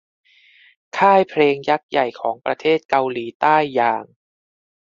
ค่ายเพลงยักษ์ใหญ่ของประเทศเกาหลีใต้อย่าง